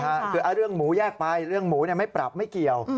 ใช่ค่ะคือเรื่องหมูแยกไปเรื่องหมูเนี่ยไม่ปรับไม่เกี่ยว